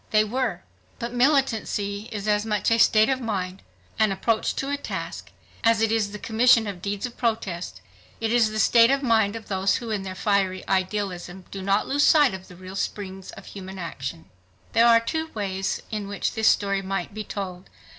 They were. But militancy is as much a state of mind, an approach to a task, as it is the commission of deeds of protest. It is the state of mind of those who is their fiery idealism do not lose sight of the real springs of human action. There are two ways in which this story might be told.